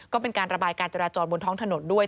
ก็เป็นการระบายการจราจรบนท้องถนนด้วย